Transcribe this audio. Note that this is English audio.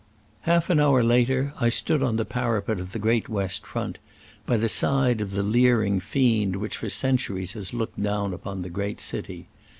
Half an hour later I stood on the parapet of the great west front, by the side of the leering fiend which for cen turies has looked down upon the great city.